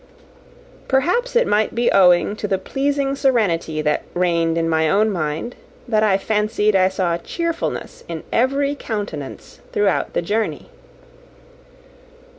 Perhaps it might be owing to the pleasing serenity that reigned in my own mind, that I fancied I saw cheerfulness in every countenance throughout the journey.